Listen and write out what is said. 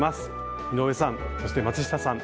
井上さんそして松下さん